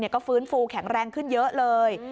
ก็ฟื้นฟูแข็งแรงขึ้นเยอะเลย